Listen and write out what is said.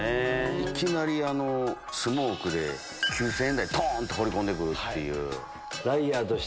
いきなりあのスモークで９０００円台トン！と放り込んで来るっていう。